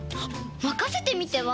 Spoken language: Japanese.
まかせてみては？